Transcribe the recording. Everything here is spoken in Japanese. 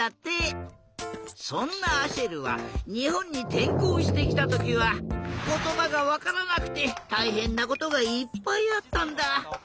そんなアシェルはにほんにてんこうしてきたときはことばがわからなくてたいへんなことがいっぱいあったんだ。